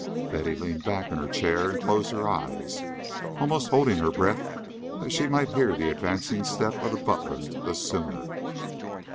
Betty leaned back in her chair and closed her eyes, almost holding her breath that she might hear the advancing step of the butler the sooner.